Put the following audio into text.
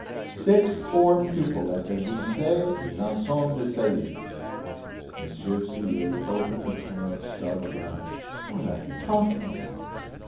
"Sixth form pupil at the Lycée Janson de Sailly." M. Filleul opened a pair of startled eyes. "What are you talking about?